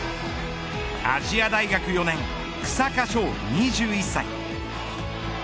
亜細亜大学４年草加勝、２１歳。